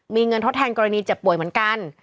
มีเงินทดแทนกรณีเจ็บป่วยเหมือนกัน